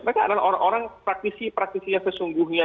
mereka adalah orang orang praktisi praktisinya sesungguhnya